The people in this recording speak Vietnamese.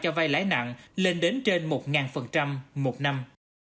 cho vai lãi nặng lên đến trên một nghìn một năm